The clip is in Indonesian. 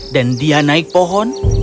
dan dia naik pohon